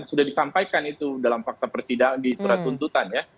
sudah disampaikan itu dalam fakta persidangan di surat tuntutan ya